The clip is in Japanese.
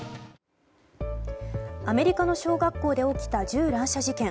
アメリカの小学校で起きた銃乱射事件。